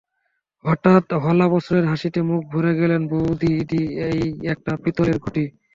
হঠাৎ হলা প্রশ্রয়ের হাসিতে মুখ ভরে বললে, বউদিদি, এই একটা পিতলের ঘটি।